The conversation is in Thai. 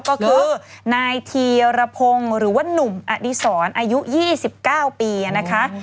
ก็คือนายธีรพงศ์หรือว่านุ่มอดีศรอายุ๒๙ปีนะคะ